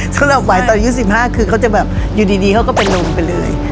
สำหรับวันนี้ตอน๑๕คือเขาจะแบบอยู่ดีเขาก็เป็นนุมไปเลย